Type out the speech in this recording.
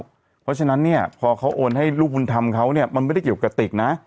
เพราะฉะนั้นพอเขาโอนให้ลูกคุณทำเขามันไม่ได้เกี่ยวกับกติกนะ